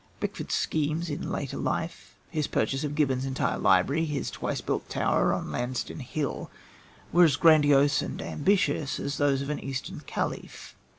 Beckford's schemes in later life his purchase of Gibbon's entire library, his twice built tower on Lansdown Hill, were as grandiose and ambitious as those of an Eastern caliph.